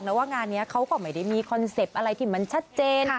ทำขนาดนี้ครับมีคอนเซปต์อะไรมันชัดเจน